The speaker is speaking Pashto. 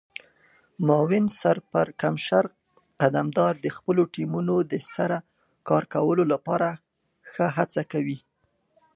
معاون سرپرکمشر قدمدار د خپلو ټیمونو د سره کار کولو لپاره ښه هڅه کوي.